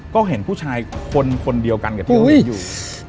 ก็เห็นผู้ชายคนเดียวกันกับเที่ยวนี้อยู่